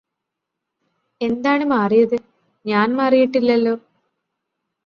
എന്താണ് മാറിയത് ഞാന് മാറിയിട്ടില്ലല്ലോ